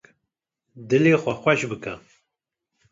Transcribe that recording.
Dilê xwe xweş bike.